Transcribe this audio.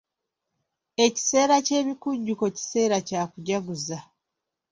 Ekiseera ky'ebikujjuko kiseera kya kujaguza.